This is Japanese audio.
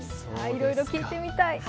いろいろ聴いてみたい。